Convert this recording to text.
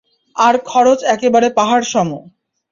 আর খরচ একেবারে পাহাড়সম।